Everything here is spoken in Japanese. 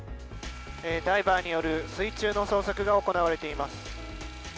ダイバーによる水中の捜索が行われています。